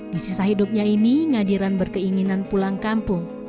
di sisa hidupnya ini ngadiran berkeinginan pulang kampung